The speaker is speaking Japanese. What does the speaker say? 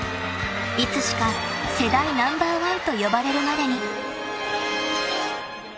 ［いつしか世代ナンバーワンと呼ばれるまでに］